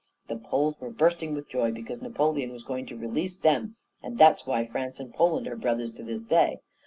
The Poles were bursting with joy, because Napoleon was going to release them; and that's why France and Poland are brothers to this day.